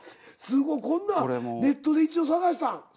すごいこんなんネットで一応探したん？